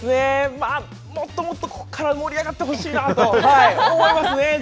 まあ、もっともっとここから盛り上がってほしいなと思いますね。